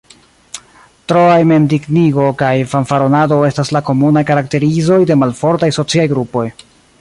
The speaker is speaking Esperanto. Troaj mem-dignigo kaj fanfaronado estas la komunaj karakterizoj de malfortaj sociaj grupoj.